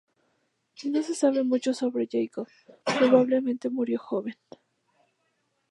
No se sabe mucho sobre Jacobo, probablemente murió joven.